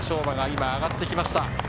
馬が上がってきました。